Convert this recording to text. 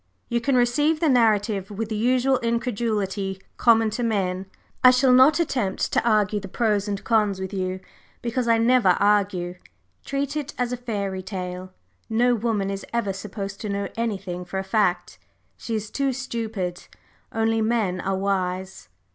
You can receive the narrative with the usual incredulity common to men; I shall not attempt to argue the pros and cons with you, because I never argue. Treat it as a fairy tale no woman is ever supposed to know anything for a fact, she is too stupid. Only men are wise!"